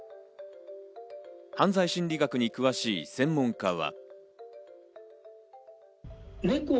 犯罪心理学に詳しい専門家は。